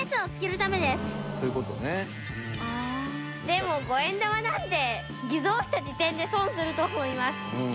でも５円玉なんて偽造した時点で損すると思います。